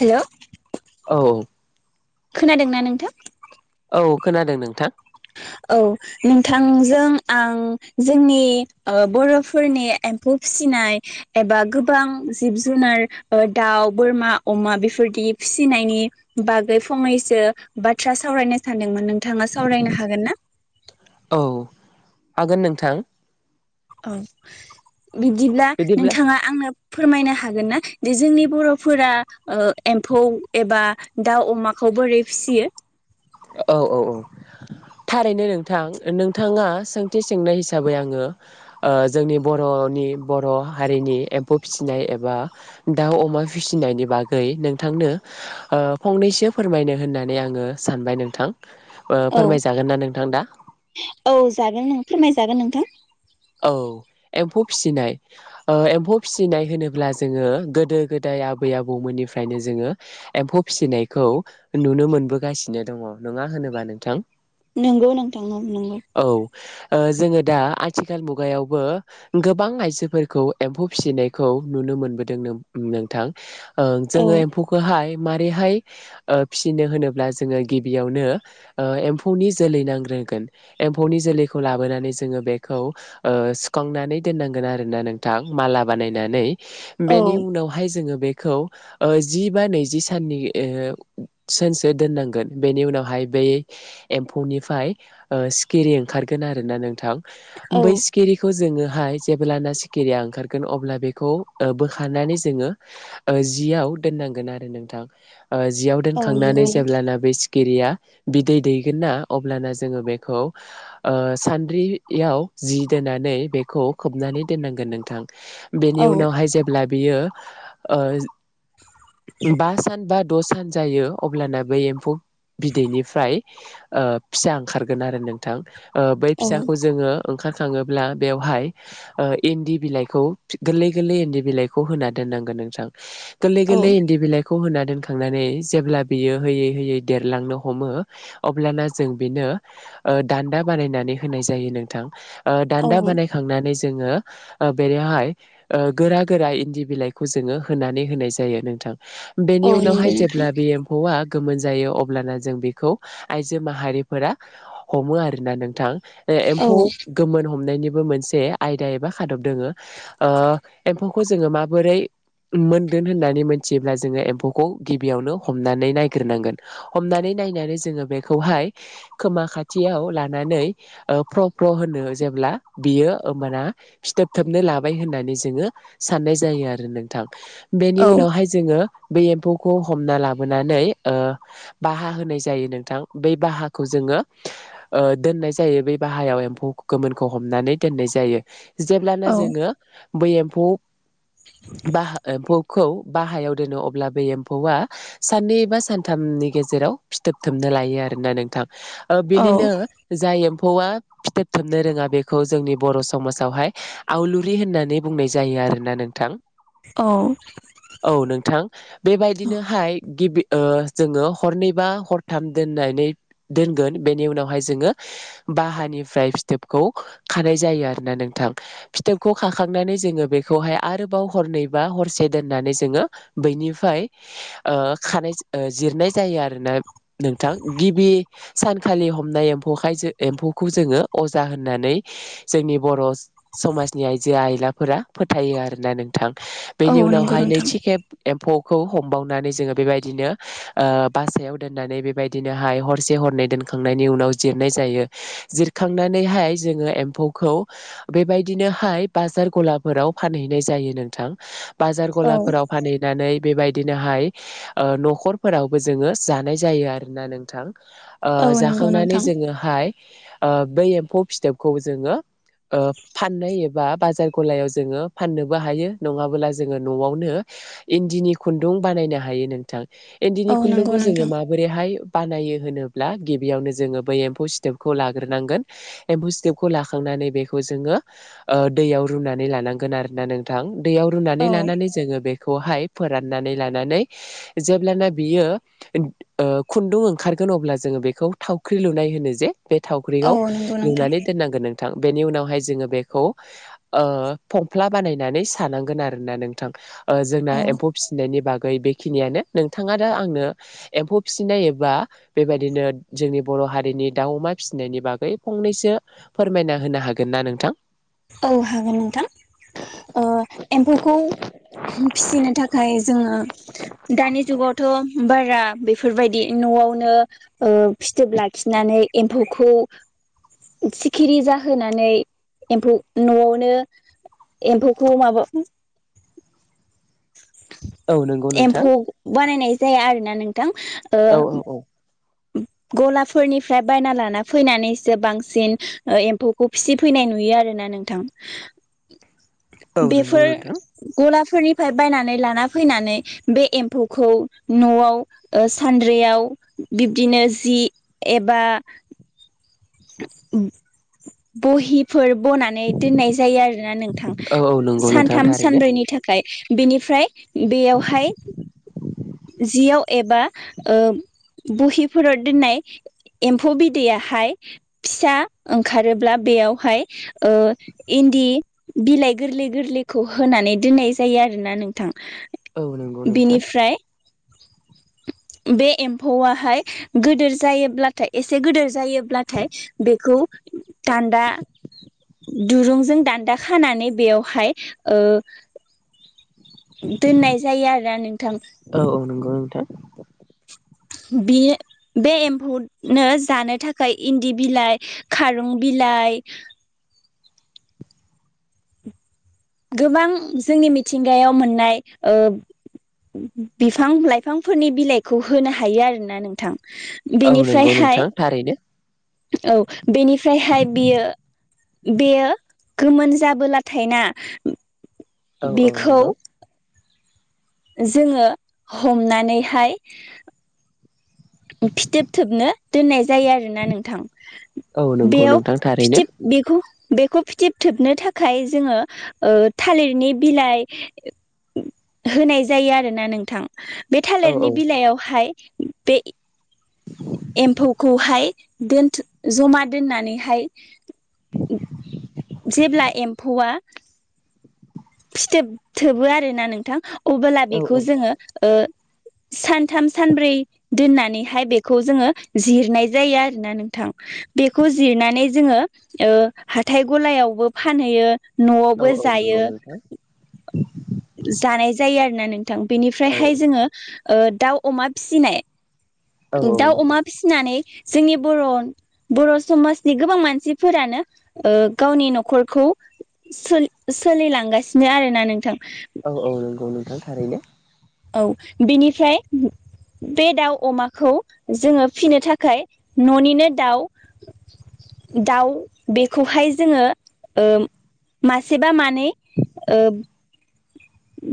Hello औ खोनादोंना नोंथां औ खोनादों नोंथां औ नोंथांजों आं जोंनि बर'फोरनि एम्फौ फिसिनाय एबा गोबां जिब जुनार दाउ बोरमा अमा बेफोरदि फिसिनायनि बागै फंनैसो बाथ्रा सावरायनो सानदोंमोन नोंथाङा सावरायनो हाग हागोन ना औ हागोन नोंथां औ बिब्दिब्ला बिदिब्ला नोंथाङा आंनो फोरमायनो हागोन ना दि जोंनि बर'फोरा एम्फौ एबा दाउ अमाखौ बोरै फिसियो औ औ औ थारैनो नोंथां नोंथाङा सोंथि सोंनाय हिसाबै आङो जोंनि बर'नि बर' हारिनि एम्फौ फिसिनाय एबा दाउ अमा फिसिनायनि बागै नोंथांनो फंनैसो फोरमायनो होननानै आङो स सानबाय नोंथां औ फोरमायजागोन ना नोंथां दा औ जागोन नों फोरमायजागोन नोंथां औ एम्फौ फिसिनाय ओ एम्फौ फिसिनाय होनोब्ला जोङो गोदो गोदाय आबै आबौमोननिफ्रायनो जोङो एम्फौ फिसिनायखौ नुनो मोनबोगासिनो दङ नङा होनोबा नोंथां नंगौ नोंथां नं-नंगौ औ ओ जोङो दा आथिखाल मुगायावबो गोबां आइजोफोरखौ एम्फौ फिसिनायखौ नुनो मोनबोदों नों-नोंथां ओ नंगौ। जोङो एम्फौखौहाय माबारैहाय ओ फिसिनो होनोब्ला जोङो गिबियावनो ओ एम्फौनि जोलै नांग्रोगोन एम्फौनि जोलैखौ लाबोनानै जोङो बे खौ ओ सुखांनानै दोननांगोन आरोना नोंथां माला बानायनानै औ बेनि औ उनावहाय जोङो बे खौ जि बा नैजि साननि सानसो दोननांगोन बेनि उनावहाय बै एम्फौनिफ्राय सिखिरि ओ ओंखारगोन आरोना नोंथां औ बै सिखिरिखौ जोङो हाय जेब्लाना सिखिरिया ओंखारगोन अब्ला ओ बेखौ बोखारनानै जोङो जियाव दोननांगोन आरो नोंथां जियाव नंगौ दोनखांनानै नोंथां जेब्लाना बे सिखिरिया बिदै दैगोन ना अब्लाना जोङो बेखौ ओ सान्द्रि याव जि दोननानै बेखौ खोबनानै दोननांगोन नोंथां बेनि औ उनावहाय जेब्ला बियो ओ बा सान बा‌ द' सान जायो अब्लाना बै एम्फौ बिदैनिफ्राय ओ फिसा ओंखारगोन आरो नोंथां ओ बै औ फिसा ओंखार खाङोब्ला बेवहाय ओ इन्दि बिलाइखौ गोरलै गोरलै इन्दि बिलाइखौ होना दोननांगोन नोंथां गोरलै औ गोरलै इन्दि बिलाइखौ होना दो खांनानै जेब्ला बियो होयै होयै देरलांनो हमो अब्लाना जों बेनो ओ दान्दा बानायनानै होनाय जायो नोंथां ओ दान्दा औ बानायखांनानै जोङो ओ बेनिहाय ओ गोरा गोरा इन्दि बिलाइखौ जोङो होनानै होनाय जायो नोंथां औ बेनि नंगौ उनावहाय नोंथां जेब्ला बे एम्फौआ गोमोन जायो अब्लाना जों बेखौ आइजो माहारिफोरा हमो आरोना नोंथां औ एम्फौ गोमोन हमनायनि बो मोनसे आयदा एबा खादब दङो ओ एम्फौखौ जोङो माबोरै मोनगोन होननानै मोनथियोब्ला जोङो एम्फौखौ गिबियावनो हमनानै नायग्रोनांगोन हमनानै नायनानै जोङो बेखौहाय खोमा खाथियाव लानानै ओ फ्र फ्र होनो जेब्ला बियो माना फिथोब थोबनो लाबाय होननानै जोङो साननाय जायो आरो नोंथां बेनि औ उनावहाय जोङो बै एम्फौखौ हमना लाबोनानै ओ बाहा होनाय जायो नोंथां बाहाखौ जोङो ओ दोननाय जा यो बे बाहायाव एम्फौ गोमोनखौ हमनानै दोननाय जायो जेब्लाना औ जोङो बै एम्फौ बाहा एमफौ खौ बाहायाव दोनो अब्ला बे एम्फौआ साननै बा सानथामनि गेजेराव फिथोबथोबनो लायो आरोना नोंथां ओ औ बिनिनो जायो एम्फौआ फिथोबथोबनो रोङा बेखौ जोंनि बर' समाजावहाय आवलुरि होननानै बुंनाय जायो आरोना नोंथां औ नोंथां बेबायदिनोहाय गिबि ओ जोङो हरनै बा हरथाम दोननानै दोनगोन बेनि उनावहाय जोङो बाहानिफ्राय फिथोबखौ खानाय जायो आरोना नोंथां फिथोबखौ खाखांनानै जोङो बेखौहाय आरोबाव हरनैबा हरसे दोननानै जोङो बैनिफ्राय ओ खानाय जिरनाय जायो आरोना नोंथां गिबि सानखालि हमनाय एम्फौखाय एम्फौखौ जोङो अजा होननानै जोंनि बर' समाजनि आइजो आइलाफोरा फोथायो आरोना नोंथां बेनि औ नंगौ उनावहाय नोंथां नैथि खेब एम्फौ खौ हमबावनानै जोङो बेबायदिनो ओ बासायाव दोननानै बेबायदिनोहाय हरसे हरनै दोनखांनायनि उनाव जिरनाय जायो जिरखांनानैहाय जोङो एम्फौखौ बेबायदिनोहाय बाजार गलाफोराव फानहैनाय जायो नोंथां बाजार औ गलाफोराव फानहैनानै बेबायदिनोहाय ओ न'खरफोरावबो जोङो जानाय जायो आरोना नोंथां ओ औ नंगौ जाखांनानै नोंथां जोङोहाय ओ बै एम्फौ फिथोबखौ जोङो ओ फाननाय एबा बाजार गलायाव जोङो फाननोबो हायो नङाबोला जोङो न'आवनो इन्दिनि खुन्दुं बानायनो हायो नोंथां। इन्दिनि औ खुन्दुंखौ नंगौ जोङो नोंथां माबोरैहाय बानायो होनोब्ला गिबियावनो जोङो बै एम्फौ सिथोब खौ लाग्रोनांगोन एम्फौ सिथोबखौ लाखांनानै बेखौ जोङो दैयाव रुनानै लानांगोन आरोना नोंथां। दैयाव रुनानै औ लानानै जोङो बे खौहाय फोराननानै लानानै जेब्लाना बियो ओ खुन्दुं ओंखारगोन अब्ला जोङो बेखौ थावख्रि लुनाय होनो जे बे थावख्रिखौ औ नंगौ नोंथां लुनानै दोननांगोन नों थां बेनि उनावहाय जोङो बेखौ फंफ्ला बानायनानै सानांगोन आरोना नोंथां। जोंना औ एम्फौ फिसिनायनि बा बेखिनियानो नोंथाङा दा आंनो एम्फौ फिसिनाय एबा बेबायदिनो जोंनि बर' हारिनि दाउ, अमा फिसिनायनि बागै फंनैसो फोरमायना होनो हागोन ना नोंथां? औ हागोन नोंथां ओ एम्फौखौ फिसिनो थाखाय जोङो दानि जुगावथ' बारा बेफोरबायदि न'आवनो फिथोब लाखिनानै एम्फौखौ सिखिरि जाहोनानै एम्फौ न'आवनो एम्फौखौ माबा औ नंगौ नोंथां एम्फौ बानायनाय जाया आरोना नों थां ओ औ औ औ गलाफोरनिफ्राय बायना लाना फैनानैसो बांसिन एम्फौखौ फिसिफैनाय नुयो आरो ना नोंथां। औ नंगौ बेफोर नोंथां गला फोरनिफ्राय बायनानै लाना फैनानै बे एम्फौखौ न'आव सानद्रियाव बिब्दिनो जि एबा बहि फोर बनानै दोननाय जायो आरोना नोंथां औ औ नंगौ नोंथां सानथाम थारैनो सानब्रैनि थाखाय। बेनिफ्राय बेयावहाय जियाव एबा बहिफोराव दोननाय एम्फौ बिदैयाहाय फिसा ओंखारोब्ला बेयावहाय इन्दि बिलाइ गोरलै गोरलैखौ होनानै दोननाय जायो आरो ना नोंथाङा। औ नंगौ नोंथां। बे एम्फौआहाय गोदोर जायोब्लाथाय एसे गोदोर जायोब्लाथाय बेखौ दान्दा दुरुंजों दान्दा खानानै बेयावहाय ओ दोननाय जायो आरो नोंथां। औ औ नंगौ नोंथां। बे बे एम्फौनो जानो थाखाय इन्दि बिलाइ खारुं बिलाइ गोबां जोंनि मिथिंगायाव मोननाय बिफां लाइफांफोरनि बिलाइखौ होनो हायो आरो ना नोंथां। औ नंगौ बेनिफ्रायहाय नोंथां थारैनो। औ बेनिफ्रायहाय बियो बेयो गोमोन जाबोलाथाय ना औ औ बेखौ नंगौ। जोङो हमनानैहाय फिथोब थोबनो दोननाय जा जायो आरो ना नोंथां औ नंगौ बेयाव नोंथां थारैनो फिथिब बेखौ बेखौ फिथोब थोबनो थाखाय जोङो थालिरनि बिलाइ होनाय जायो आरो ना नोंथां बे औ औ थालिरनि बिलाइयावहाय बे एम्फौखौहाय दोनथु जमा दोननानैहाय जेब्ला एम्फौआ फिथोब थोबो आरो ना नोंथां अबोला औ बेखौ जोङो ओ सानथाम सानब्रै दोननानैहाय बेखौ जोङो जिरनाय जायो आरो ना नोंथां बेखौ जिरनानै जोङो ओ हाथाय गलायावबो फानहैयो औ नआवबो औ नंगौ जायो नोंथां जानाय जायो आरो नानै औ बेनिफ्रायहाय जोङो दाउ अमा फिसिनाय औ औ दाउ नंगौ अमा फिसिनानै जोंनि बर' बर' समाजनि गोबां मानसिफोरानो ओ गावनि नखरखौ सोलिलांगासिनो आरो ना नोंथां औ औ नंगौ नोंथां थारैनो औ बिनिफ्राय बे दाउ अमाखौ जोङो फिसिनो थाखाय ननिनो दाउ दाउ बेखौहाय जोङो मासे बा मानै ओ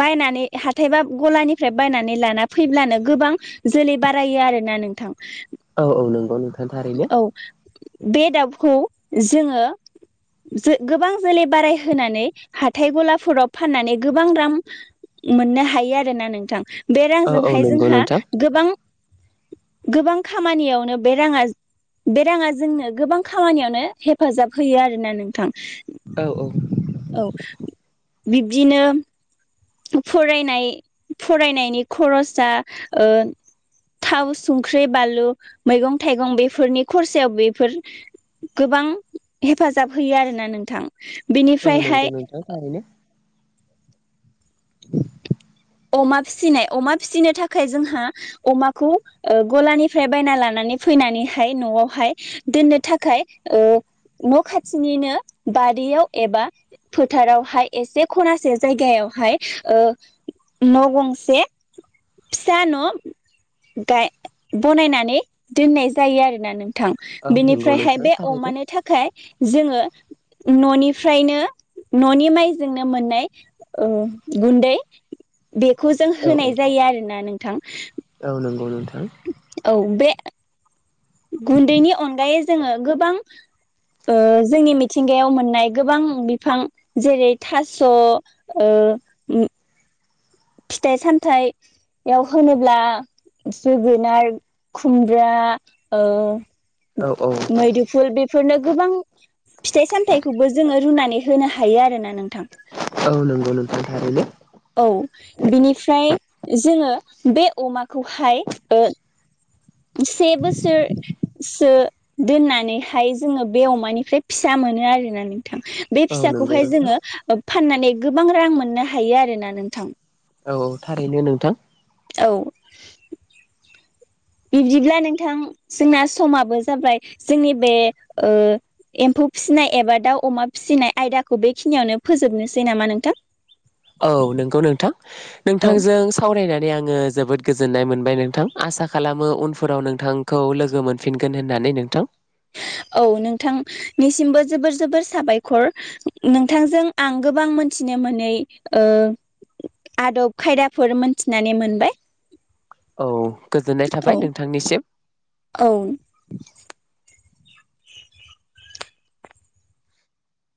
बायनानै हाथायबा गलानिफ्राय बायनानै लाना फैब्लानो गोबां जोलै बारायो आरो ना नोंथां औ औ नंगौ नोंथां थारैनो औ बे दाउखौ जोङो जो गोबां जोलै बाराय होनोनानै हाथाय गलाफोराव फाननानै गोबां रामम मोननो हायो आरोना नोंथां बे औ औ रांजोंहाय नंगौ जोंहा नोंथां गोबां गोबां खामानियावनो बे राङा बे राङा जोंनो गोबां खामानियावनो हेफाजाब होयो आरोना नोंथां औ औ औ बिब्दिनो फरायनाय फरायनायनि खरसा ओ थाव संख्रि बानलु मैगं थाइगं बेफोरनि खरसायाव बेफोर गोबां हेफाजाब होयो आरोना नोंथां औ बेनिफ्रायहाय नोंगौ नोंथां थारैनो [inaudible] अमा फिसिनाय अमा फिसिनो थाखाय जोंहा अमाखौ ओ गलानिफ्राय बायना लानानै फैनानैहाय न'आवहाय दोननो थाखाय ओ न' खाथिनिनो बारियाव एबा फोथारावहाय एसे खनासे जायगायावहाय ओ न' गंसे फिसा न' गाय बनायनानै दोननाय जायो आरोना नों थां औ नंगौ बेनिफ्रायहाय नोंथां बे थारैनो अमानो थाखाय जोङो न'निफ्रायनो न'नि माइजोंनो मोननाय ओ गुन्दै बेखौ जों औ होनाय जायो आरो ना नों थां औ नंगौ नों औ बे गुन्दैनि अनगायै जोङो गोबां ओ जोंनि मिथिंगायाव मोननाय गोबां बिफां जेरै थास' ओ उम फिथाइ सामथाइयाव होनोब्ला जोगोनार खुमब्रा ओ औ औ मैदुफुल बेफोरनो गोबां फिथाइ सामथायखौबो जोङो रुनानै होनो हायो आरो ना नों औ नंगौ नोंथां थैरैनो औ बिनिफ्राय जोङो बे अमाखौहाय ओ से बोसोर सो दोननानैहाय जोङो बे अमानिफ्राय फिसा मोनो आरोना नों थां बे औ नंगौ फिसाखौहाय नोंथां जोङो ओब फाननानै गोबां रां मोननो हायो आरोना नोंथां औ औ थारैनो नोंथां औ बिब्दिब्ला नोंथां जोंना समाबो जाबाय जोंनि बे ओ एम्फौ फिसिनाय एबा दाउ अमा फिसिनाय आयदाखौ बेखिनियावनो फोजोबनोसै नामा नोंथां औ नंगौ नोंथां औ नोंथांजों सावरायना नै आङो जोबोद गोजोननाय मोनबाय नोंथां आसा खालामो उनफोराव नोंथांखौ लोगो मोनफिनगोन होननानै नोंथां औ नोंथांनिसिमबो जोबोर जोबोर साबायखर नोंथांजों आं गोबां मोनथिनो मोनै ओ आदब खायदाफोर मोनथिनानै मोनबाय औ गोजोननाय थाबाय औ नोंथांनिसिम औ